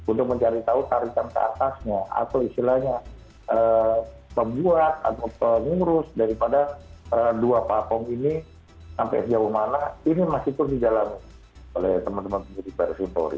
untuk mencari tahu tarikan keatasnya atau istilahnya pembuat atau penyurus daripada dua pak pong ini sampai sejauh mana ini masih pun dijalankan oleh teman teman penyidik baris kempuri